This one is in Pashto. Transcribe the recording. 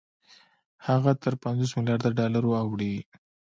هغه تر پنځوس مليارده ډالرو اوړي